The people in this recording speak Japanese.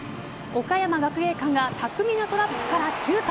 岡山学芸館が巧みなトラップからシュート。